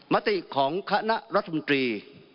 มติของคณะรัฐมนตรี